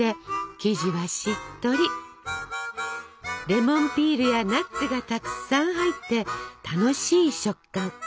レモンピールやナッツがたくさん入って楽しい食感。